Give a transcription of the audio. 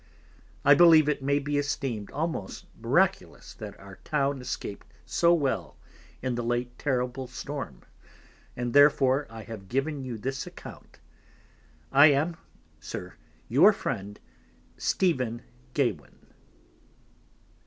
I believe it may be esteemed almost Miraculous that our Town escaped so well in the late terrible Storm, and therefore I have given you this Account. I am Sir, your Friend, Stephen Gawen.